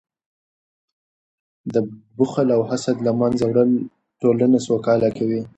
د بخل او حسد له منځه وړل ټولنه سوکاله کوي.